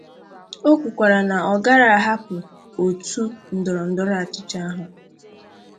O kwukwàrà na ọ gaara ahapụ òtù ndọrọndọrọ ahụ